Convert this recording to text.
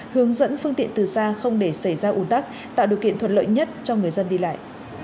hướng dẫn phương tiện từ xa không để xảy ra ủn tắc tạo điều kiện thuận lợi nhất cho người dân đi lại